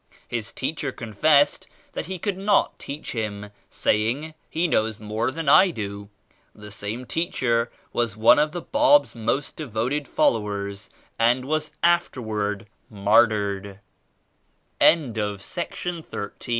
His teacher confessed that he could not teach Him, — saying *He knows more than I do.' This same teacher was one of the Bab'S most devoted followers and was afterward mar^r